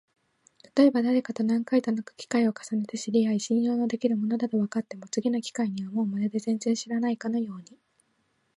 たとえばだれかと何回となく機会を重ねて知り合い、信用のできる者だとわかっても、次の機会にはもうまるで全然知らないかのように、